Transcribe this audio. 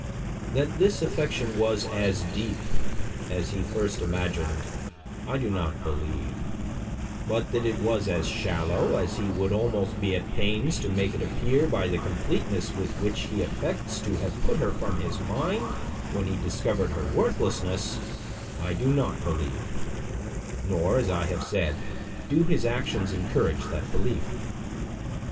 That this affection was as deep as he first imagined, I do not believe; but that it was as shallow as he would almost be at pains to make it appear by the completeness with which he affects to have put her from his mind when he discovered her worthlessness, I do not believe; nor, as I have said, do his actions encourage that belief.